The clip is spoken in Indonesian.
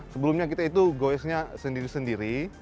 sebelumnya kita itu goesnya sendiri sendiri